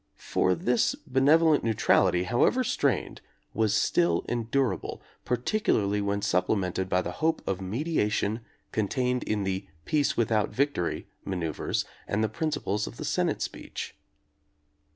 For this benevolent neutrality, however strained, was still endurable, particularly when supple mented by the hope of mediation contained in the "peace without victory" maneuvers and the prin ciples of the Senate speech.